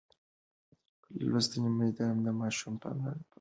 لوستې میندې د ماشوم پاملرنه پر وخت کوي.